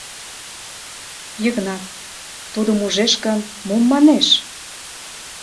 Йыгнат: Тудым ужеш гын, мом манеш?